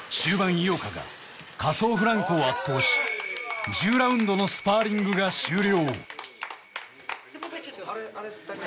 井岡が仮想フランコを圧倒し１０ラウンドのスパーリングが終了